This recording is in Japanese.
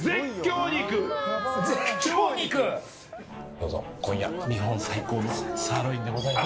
どうぞ、今夜日本最高のサーロインでございます。